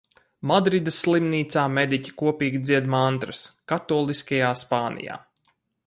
Madrides slimnīcā mediķi kopīgi dzied mantras. Katoliskajā Spānijā!